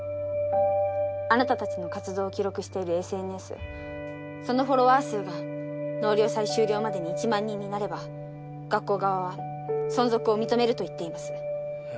あなたたちの活動を記録しているＳＮＳそのフォロワー数が納涼祭終了までに１万人になれば学校側は存続を認めると言っています